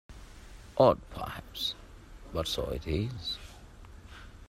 Odd perhaps, but so it is!